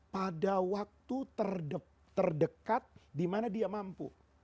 pada waktu terdekat dimana dia mampu